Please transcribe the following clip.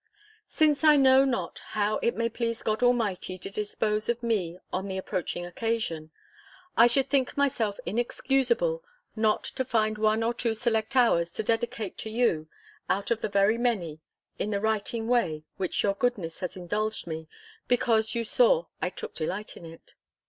Since I know not how it may please God Almighty to dispose of me on the approaching occasion, I should think myself inexcusable, not to find one or two select hours to dedicate to you, out of the very many, in the writing way, which your goodness has indulged me, because you saw I took delight in it.